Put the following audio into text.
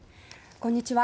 こんにちは。